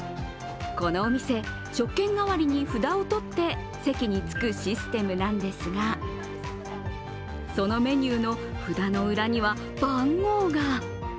このお店食券代わりに札を取って席に着くシステムなんですが、そのメニューの札の裏には番号が。